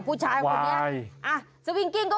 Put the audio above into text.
คุณสมัครค่ะคุณสมัครค่ะ